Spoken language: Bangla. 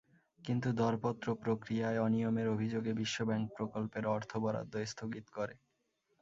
কিন্তু দরপত্র প্রক্রিয়ায় অনিয়মের অভিযোগে বিশ্বব্যাংক প্রকল্পের অর্থ বরাদ্দ স্থগিত করে।